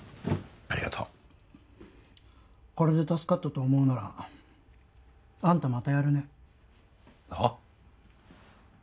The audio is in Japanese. ありがとうこれで助かったと思うならあんたまたやるねはっ？